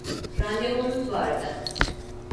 Randevumuz vardı.